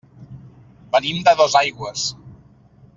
Venim de Dosaigües.